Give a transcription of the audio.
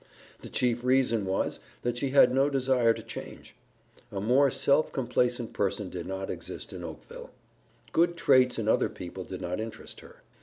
The chief reason was that she had no desire to change. A more self complacent person did not exist in Oakville. Good traits in other people did not interest her.